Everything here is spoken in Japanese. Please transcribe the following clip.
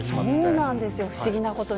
そうなんですよ、不思議なことに。